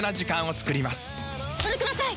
それください！